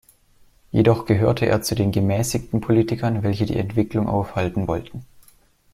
Jedoch gehörte er zu den gemäßigten Politikern, welche die Entwicklung aufhalten wollten.